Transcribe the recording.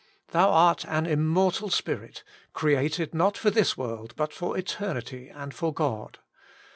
Thou art an immortal spirit, created not for this world but for eternity and for God.